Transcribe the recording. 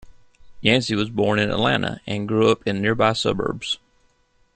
Yancey was born in Atlanta and grew up in nearby suburbs.